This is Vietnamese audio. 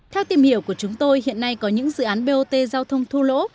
theo tìm hiểu của chúng tôi hiện nay có những dự án bot giao thông thu lỗ